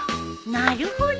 なるほど！